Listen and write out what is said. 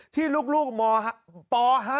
ที่ลูกป๕